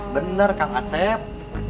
bener kakak seth